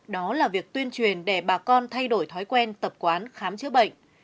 đó là việc tuyên truyền để bà con thay đổi thói quen tập quán khám chữa bệnh